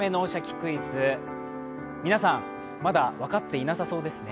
クイズ」、皆さん、まだ分かっていなさそうですね。